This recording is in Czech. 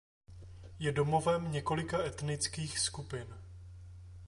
Je domovem několika etnických skupin.